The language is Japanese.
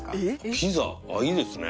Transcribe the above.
あっいいですね。